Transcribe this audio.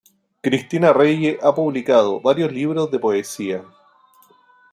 Cristina Reyes ha publicado varios libros de poesía.